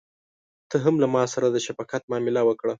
ته هم له ماسره د شفقت معامله وکړه.